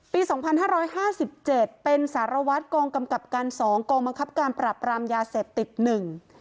ปี๒๕๕๗เป็นสารวัฒน์กองกำกับการสองกองบังคับการปรับปรามยาเสพติดหนึ่ง